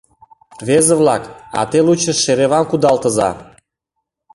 — Рвезе-влак, а те лучо шеревам кудалтыза.